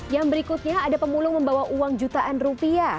yang berikutnya ada pemulung membawa uang jutaan rupiah